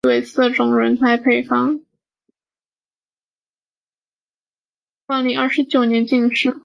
万历二十九年进士。